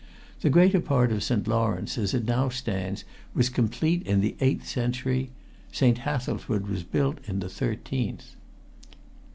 The greater part of St. Lawrence, as it now stands, was complete in the eighth century: St. Hathelswide was built in the thirteenth."